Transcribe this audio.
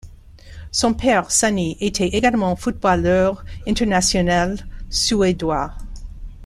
Son père, Sanny, était également footballeur international suédois.